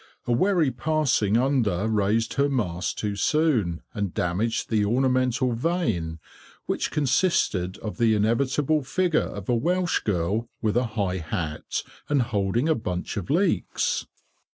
A wherry passing under raised her mast too soon, and damaged the ornamental vane, which consisted of the inevitable figure of a Welsh girl with a high hat and holding a bunch of leeks.